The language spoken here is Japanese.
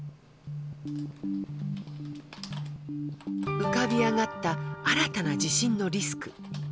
浮かび上がった新たな地震のリスク。